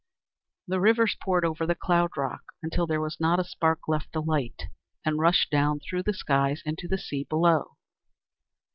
The rivers poured over the cloud rock, until there was not a spark left alight, and rushed down through the sky into the sea below.